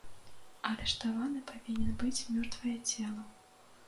Арыштаваны павінен быць мёртвае цела.